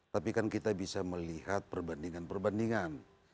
tapi kan kita bisa melihat perbandingan perbandingan